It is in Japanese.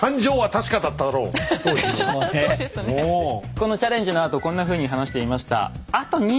このチャレンジのあとこんなふうに話していました。